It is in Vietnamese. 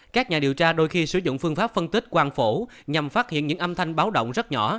các nhà điều tra đôi khi sử dụng phương pháp phân tích quan phủ nhằm phát hiện những âm thanh báo động rất nhỏ